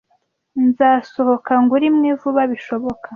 Nzasohoka ngure imwe vuba bishoboka.